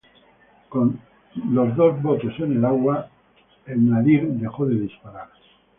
Con los dos botes en el agua, el "Nadir" dejó de disparar.